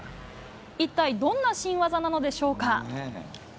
一体どんな新技なのでしょうか。